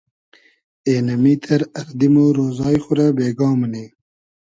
اېنئمیتئر اردی مۉ رۉزای خو رۂ بېگا مونی